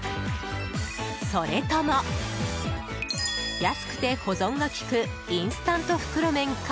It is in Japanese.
それとも、安くて保存が利くインスタント袋麺か。